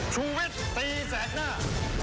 ชุวิตตีแสดหน้า